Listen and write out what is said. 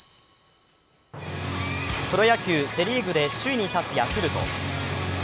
プロ野球、セ・リーグで首位に立つヤクルト。